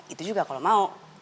itu juga kalau mau